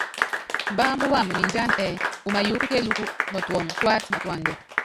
Mbábá wamɛ mindiána ɛ́ɛ́ umayuúkɔ́ kélúku nɔtuɔŋɔ tuátanatúádɛ.